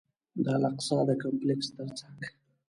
د الاقصی د کمپلکس تر څنګ.